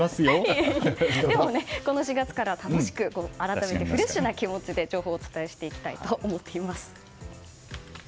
この４月からは楽しく改めてフレッシュな気持ちで情報をお伝えしていきたいと思っています。